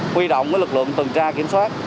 quy động cái lực lượng tuần tra kiểm soát